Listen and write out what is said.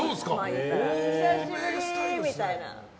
久しぶり！みたいな。